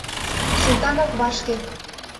Султан ок вашке.